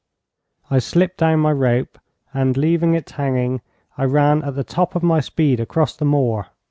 I slipped down my rope, and, leaving it hanging, I ran at the top of my speed across the moor.